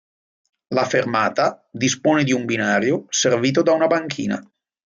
La fermata dispone di un binario servito da una banchina.